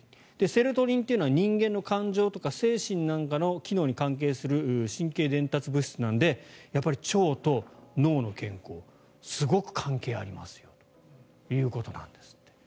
セロトニンというのは人間の感情とか精神なんかの機能に関係する神経伝達物質なので腸と脳の健康はすごく関係ありますよということですって。